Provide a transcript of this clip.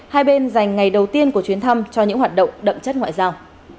hai bên dành ngày đầu tiên của chuyến thăm cho những hoạt động đậm chất ngoại giao